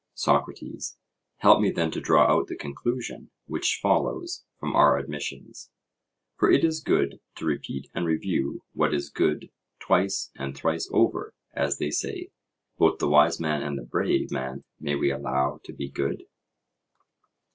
SOCRATES: Help me then to draw out the conclusion which follows from our admissions; for it is good to repeat and review what is good twice and thrice over, as they say. Both the wise man and the brave man we allow to be good?